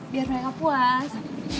biar mereka puas